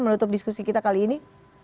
menutup diskusi kita kali ini